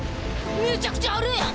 むちゃくちゃあるやん！